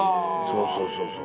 そうそうそうそう。